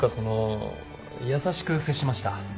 優しく接しました。